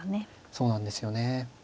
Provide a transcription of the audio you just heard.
そうなんですよね。